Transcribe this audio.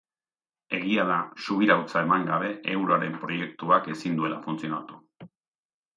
Egia da subirautza eman gabe euroaren proiektuak ezin duela funtzionatu.